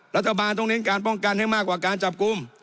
รัฐบาลต้องเน้นการป้องกันให้มากกว่าการจับกลุ่ม